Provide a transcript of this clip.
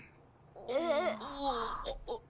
えっ。